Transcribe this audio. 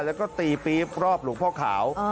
แล้วก็ตีปี๊บรอบหลวงพ่อขาว